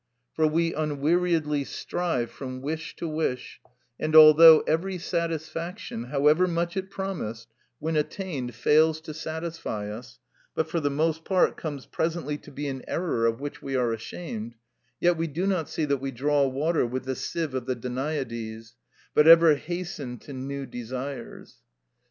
For we unweariedly strive from wish to wish; and although every satisfaction, however much it promised, when attained fails to satisfy us, but for the most part comes presently to be an error of which we are ashamed, yet we do not see that we draw water with the sieve of the Danaides, but ever hasten to new desires.